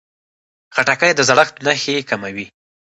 خټکی د زړښت نښې کموي.